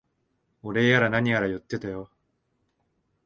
お礼やら何やら言ってたよ。